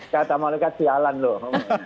kata malaikat sialan loh